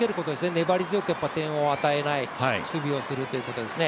粘り強く点を与えない、守備をするということですね。